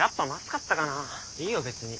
いいよ別に。